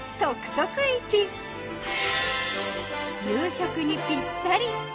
夕食にぴったり！